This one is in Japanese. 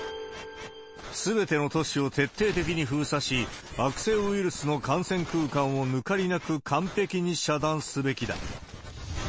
すべての都市を徹底的に封鎖し、悪性ウイルスの感染空間を抜かりなく完璧に遮断すべきだ。